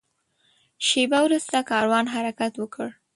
شېبه وروسته کاروان حرکت وکړ.